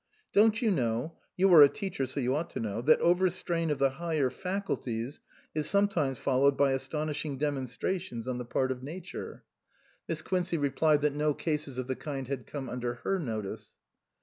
Don't you know you are a teacher, so you ought to know that overstrain of the higher faculties is sometimes followed by astonishing demon strations on the part of Nature?" 276 . UNDER A BLUE MOON Miss Quincey replied that no cases of the kind had come under her notice.